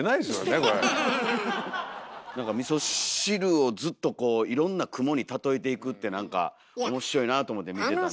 何かみそ汁をずっとこういろんな雲に例えていくって何か面白いなあと思って見てた。